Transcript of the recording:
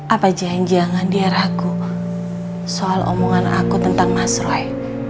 apa jangan jangan dia ragu soal omongan aku tentang mas roy